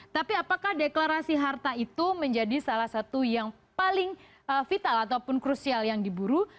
tapi apakah deklarasi harta itu menjadi salah satu yang paling vital ataupun krusial yang diburu